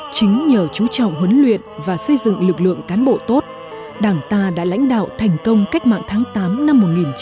chính nhờ chú trọng huấn luyện và xây dựng lực lượng cán bộ tốt đảng ta đã lãnh đạo thành công cách mạng tháng tám năm một nghìn chín trăm bốn mươi năm